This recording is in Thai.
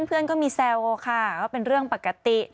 เพื่อนก็มีแซวค่ะว่าเป็นเรื่องปกติ